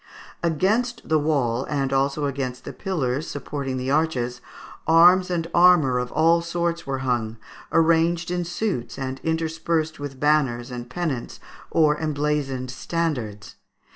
Against the wall, and also against the pillars supporting the arches, arms and armour of all sorts were hung, arranged in suits, and interspersed with banners and pennants or emblazoned standards.